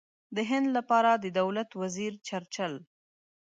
د هند لپاره د دولت وزیر چرچل.